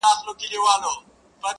او ستا د خوب مېلمه به _